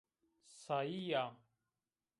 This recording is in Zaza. Sayî ya